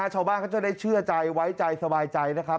ชาวบ้านเขาจะได้เชื่อใจไว้ใจสบายใจนะครับ